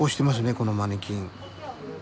このマネキン。